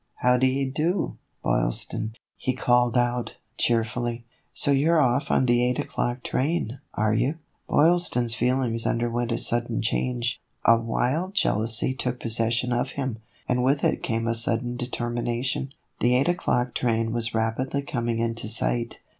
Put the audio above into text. " How d 'ye do, Boylston ?" he called out, cheer fully. " So you 're off on the eight o'clock train, are you ?" Boylston's feelings underwent a sudden change. A wild jealousy took possession of him, and with it came a sudden determination. The eight o'clock train was rapidly coming into sight.